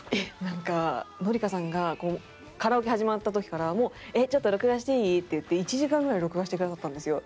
なんか紀香さんがカラオケ始まった時から「ちょっと録画していい？」って言って１時間ぐらい録画してくださったんですよ。